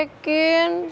kita di usa'in